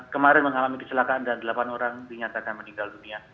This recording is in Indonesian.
kemarin mengalami kecelakaan dan delapan orang dinyatakan meninggal dunia